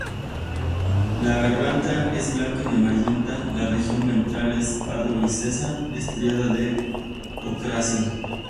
La garganta es blanco-amarillenta y la región ventral es pardo grisácea estriada de ocráceo.